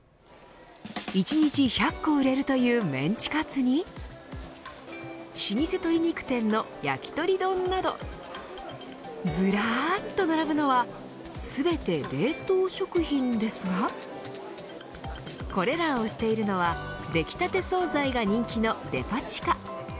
１日１００個売れるというメンチカツに老舗鶏肉店の焼き鳥丼などずらっと並ぶのは全て冷凍食品ですがこれらを売っているのはできたて総菜が人気のデパ地下。